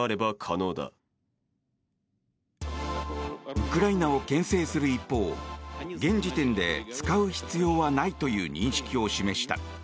ウクライナをけん制する一方現時点で使う必要はないという認識を示した。